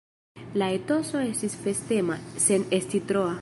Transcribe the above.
La etoso estis festema, sen esti troa.